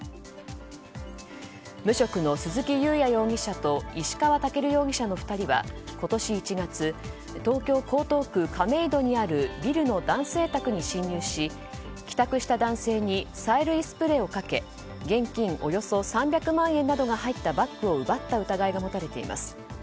無職の鈴木雄也容疑者と石川健容疑者の２人は今年１月東京・江東区亀戸にあるビルの男性宅に侵入し、帰宅した男性に催涙スプレーをかけ現金およそ３００万円などが入ったバッグを奪った疑いが持たれています。